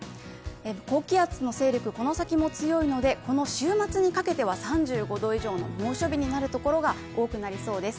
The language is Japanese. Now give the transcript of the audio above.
高気圧の勢力、この先も強いのでこの週末にかけては３５度以上の猛暑日になるところが多くなりそうです。